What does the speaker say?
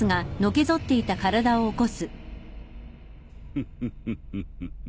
フフフフ。